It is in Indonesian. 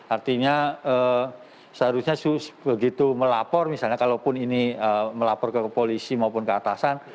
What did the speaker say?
artinya seharusnya begitu melapor misalnya kalaupun ini melapor ke kepolisi maupun keatasan